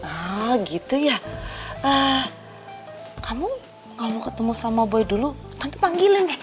oh gitu ya kamu kalau mau ketemu sama boy dulu nanti panggilin deh